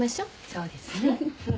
そうですね。